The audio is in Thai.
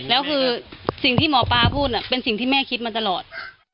แล้วคือสิ่งที่หมอปลาพูดเป็นสิ่งที่แม่คิดมาตลอด